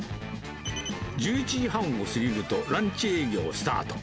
１１時半を過ぎるとランチ営業スタート。